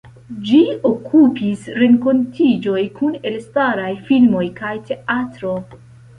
Ĝi okupis renkontiĝoj kun elstaraj filmo kaj teatro.